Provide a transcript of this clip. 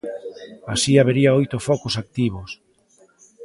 Así habería oito focos activos.